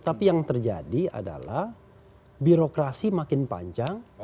tapi yang terjadi adalah birokrasi makin panjang